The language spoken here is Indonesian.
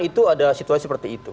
itu ada situasi seperti itu